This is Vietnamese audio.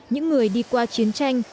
những người đi qua chiến tranh